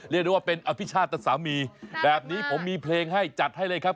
เรียกได้ว่าเป็นอภิชาตสามีแบบนี้ผมมีเพลงให้จัดให้เลยครับ